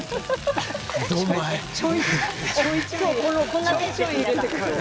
ちょいちょい入れてくる。